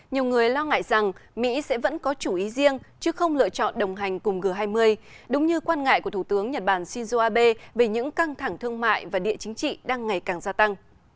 nhiều người lo ngại rằng mỹ sẽ vẫn có chủ ý riêng chứ không lựa chọn đồng hành cùng g hai mươi đúng như quan ngại của thủ tướng nhật bản shinzo abe về những căng thẳng thương mại và địa chính trị đang ngày càng gia tăng